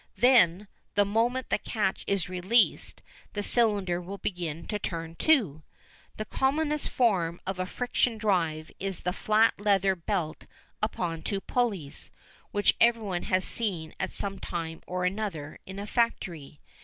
Then, the moment the catch is released the cylinder will begin to turn too. The commonest form of "friction drive" is the flat leather belt upon two pulleys, which everyone has seen at some time or other in a factory.